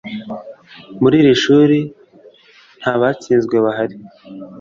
- muri iri shuri ntabatsinzwe bahari